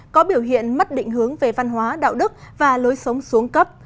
có biểu hiện mất định hướng về văn hóa đạo đức và lối sống xuống cấp